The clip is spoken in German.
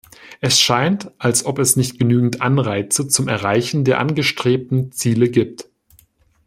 Es scheint, als ob es nicht genügend Anreize zum Erreichen der angestrebten Ziele gibt.